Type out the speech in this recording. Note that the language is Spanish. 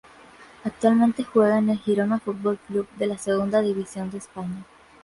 Actualmente juega en el Girona Futbol Club de la Segunda División de España.